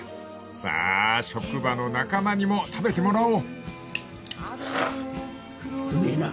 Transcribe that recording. ［さあ職場の仲間にも食べてもらおう］